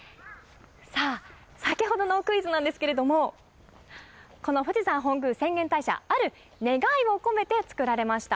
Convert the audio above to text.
先ほどのクイズなんですけれども、富士山本宮浅間大社、ある願いを込めて造られました。